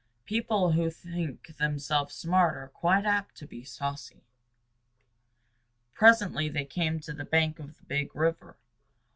People who think themselves smart are quite apt to be saucy. Presently they came to the bank of the Big River.